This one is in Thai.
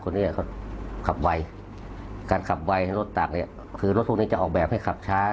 การขับไวรถต่างรถถูกนี้คือรถทรงนี้ออกแบบให้ขับช้า